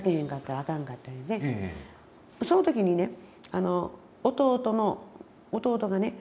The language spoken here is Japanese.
その時にね弟がね